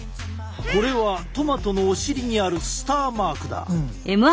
これはトマトのお尻にあるスターマークだ。